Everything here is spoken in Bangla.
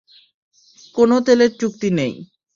কোনও তেলের চুক্তি নেই।